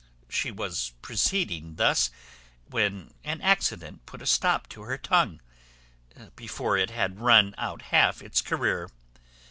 She was proceeding thus, when an accident put a stop to her tongue, before it had run out half its career.